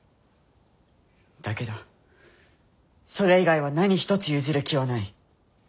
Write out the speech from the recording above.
だけどそれ以外は何一つ譲る気はない。